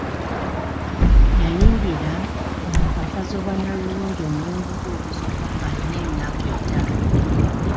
Yayingira mu mpaka z'obwannalulungi omulundi gwe ogusooka ng'alina emyaka etaano.